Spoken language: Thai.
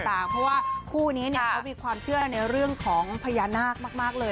เพราะว่าคู่นี้เขามีความเชื่อในเรื่องของพญานาคมากเลย